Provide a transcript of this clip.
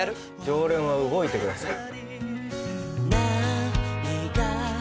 ・常連は動いてください